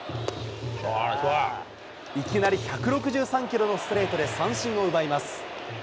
いきなり１６３キロのストレートで三振を奪います。